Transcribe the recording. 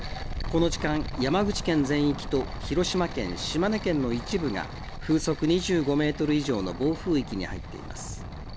この時間、山口県全域と広島県、島根県の一部が風速２５メートル以上の暴風域に入っています。